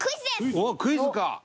おっクイズか。